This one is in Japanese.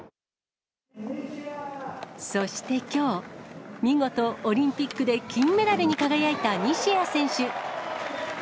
そしてきょう、見事オリンピックで金メダルに輝いた西矢選手。